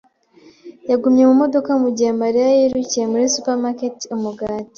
yagumye mu modoka mugihe Mariya yirukiye muri supermarket umugati.